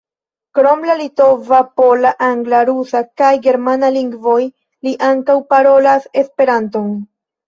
Krom la litova, pola, angla, rusa kaj germana lingvoj, li ankaŭ parolas Esperanton.